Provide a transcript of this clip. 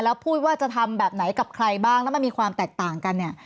แล้วพูดว่าจะทำแบบไหนกับใครบ้างแล้วมันมีความแตกต่างกันเนี่ย